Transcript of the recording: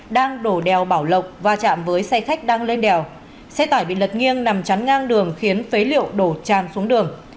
đang đổ đèo bảo lộc va chạm với xe khách đang lên đèo xe tải bị lật nghiêng nằm chắn ngang đường khiến phế liệu đổ tràn xuống đường